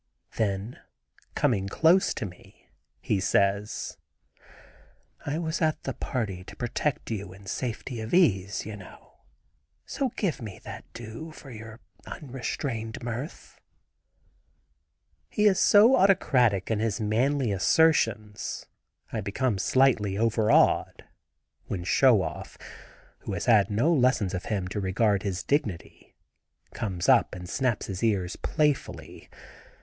Then coming close to me he says: "I was at the party to protect you in safety of ease, you know, so give me that due for your unrestrained mirth." He is so autocratic in his manly assertions I become slightly overawed, when Show Off, who has had no lesson of him to regard his dignity, comes up and snaps his ear playfully.